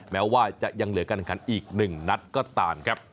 แม้ว่าจะยังเหลือกันอีกหนึ่งนัดก็ต่างครับ